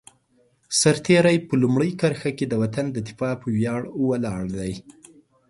سرتېری په لومړۍ کرښه کې د وطن د دفاع په ویاړ ولاړ دی.